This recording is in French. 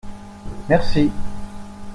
Merci.